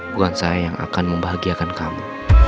bukan saya yang akan membahagiakan kamu